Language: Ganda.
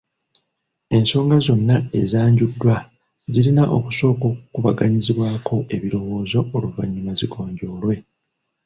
Ensonga zonna ezanjuddwa zirina okusooka okukubaganyizibwako ebirowoozo oluvannyuma zigonjoolwe.